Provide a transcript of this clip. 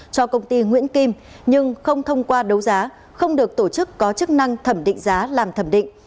cho công ty nguyễn kim nhưng không thông qua đấu giá không được tổ chức có chức năng thẩm định giá làm thẩm định